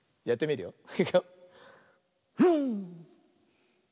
やってみるよ。